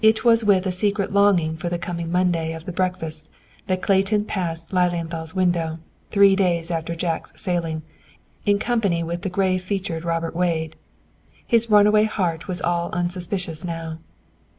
It was with a secret longing for the coming Monday of the breakfast that Clayton passed Lilienthal's window, three days after Jack's sailing, in company with the grave featured Robert Wade. His runaway heart was all unsuspicious now.